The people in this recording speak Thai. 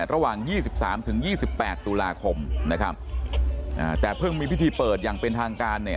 ระหว่าง๒๓๒๘ตุลาคมแต่เพิ่งมีพิธีเปิดอย่างเป็นทางการ